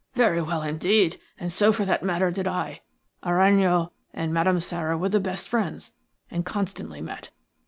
"Very well indeed, and so, for that matter, did I. Aranjo and Madame Sara were the best friends, and constantly met.